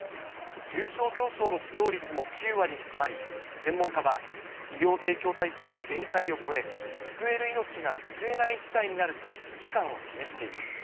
重症病床の使用率も９割に迫り、専門家は医療提供体制の限界を超え、救える命が救えない事態になると危機感を示しています。